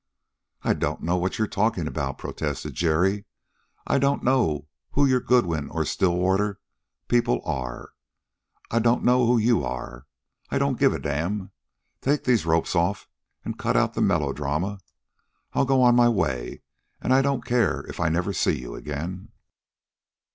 "I don't know what you are talking about," protested Jerry. "I don't know who your Goodwin or Stillwater people are. I don't know who you are I don't give a damn. Take these ropes off and cut out the melodrama. I'll go on my way, and I don't care if I never see you again."